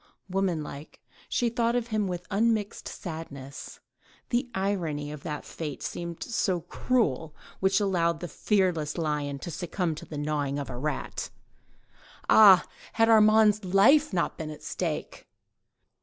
Woman like, she thought of him with unmixed sadness; the irony of that fate seemed so cruel which allowed the fearless lion to succumb to the gnawing of a rat! Ah! had Armand's life not been at stake!